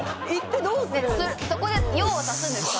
そこで用を足すんですか？